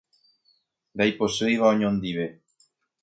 Ndaipochýiva oñondive.